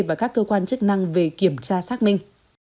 và các cơ quan chức năng về kiểm tra xác minh